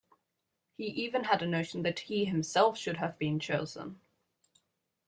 He even had a notion that he himself should have been chosen.